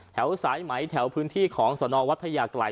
แถวสายไหมแถวพื้นที่ของสนวัดพระยากลัย